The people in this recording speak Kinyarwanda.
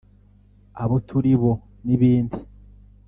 abo turibo n’ibindi